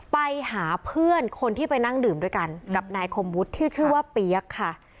ไปหาเพื่อนคนที่ไปนั่งดื่มด้วยกันกับนายคมวุฒิที่ชื่อว่าเปี๊ยกค่ะ